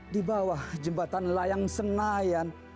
di bawah jembatan layang senayan